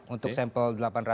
untuk sampel delapan ratus